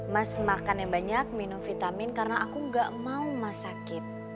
mas makan yang banyak minum vitamin karena aku gak mau masakin